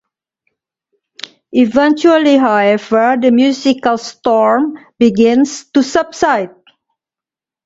Eventually, however, the musical storm begins to subside.